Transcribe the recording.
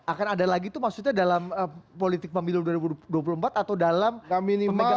akan ada lagi itu maksudnya dalam politik pemilu dua ribu dua puluh empat atau dalam kami ini memegang